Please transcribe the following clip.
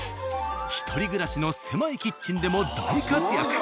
１人暮らしの狭いキッチンでも大活躍。